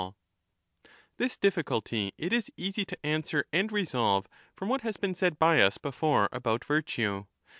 I306^ MAGNA MORALIA This difficulty it is easy to answer and resolve from what has been said by us before ^ about virtue.